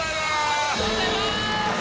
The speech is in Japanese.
ありがとうございます。